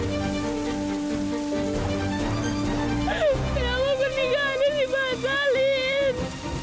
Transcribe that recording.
yang mempernikahkan dibatalin